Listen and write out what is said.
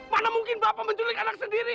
mana mungkin bapak menculik anak sendiri